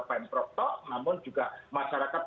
pemerintah namun juga masyarakat